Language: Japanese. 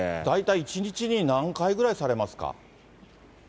大体１日に何回ぐらいされますか？